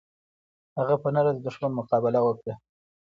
هغه په نره د دښمن مقابله وکړه.